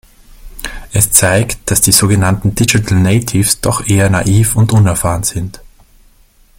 Es zeigt, dass die sogenannten Digital Natives doch eher naiv und unerfahren sind.